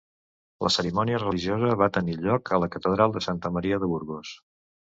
La cerimònia religiosa va tenir lloc a la catedral de Santa Maria de Burgos.